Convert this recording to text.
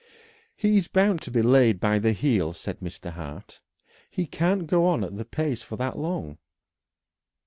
"He is bound to be laid by the heels," said Mr. Hart. "He can't go on at that pace for long."